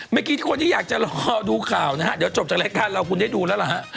เมื่อกี้ที่คนที่อยากจะรอดูข่าวนะฮะเดี๋ยวจบจากรายการเราคุณได้ดูแล้วล่ะฮะ